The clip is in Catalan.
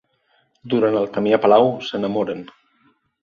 Durant el camí a palau s'enamoren.